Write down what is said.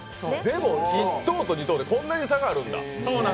でも１等と２等でこんなに差があるんだ。